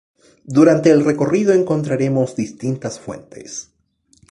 Durante el recorrido encontraremos distintas fuentes.